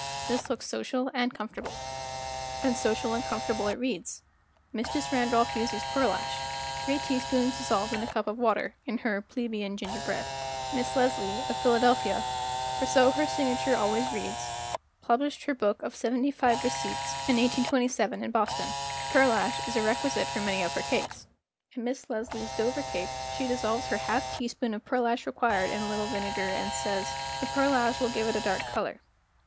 This looks social and comfor table. And social and comfortable it reads. Mistress Randolph uses pearlash—three teaspoons dissolved in a cup of water—in her "Plebeian Ginger Bread." j Miss Leslie, of Philadelphia, for so her signature always reads, published her book of Seventy five Receipts in 1827 in Boston. Pearl¬ ash is a requisite for many of her cakes. In Miss Leslie's Dover Cake she dissolves her half teaspoon of pearlash required in a little vinegar, and says, "The pearlash will give it a dark color."